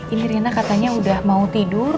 ibu rina katanya udah mau tidur